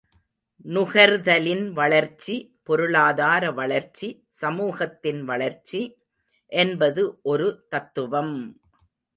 நுகர்தலின் வளர்ச்சி பொருளாதார வளர்ச்சி சமூகத்தின் வளர்ச்சி என்பது ஒரு தத்துவம்!